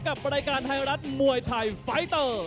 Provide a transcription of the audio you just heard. กับรายการไทยรัฐมวยไทยไฟเตอร์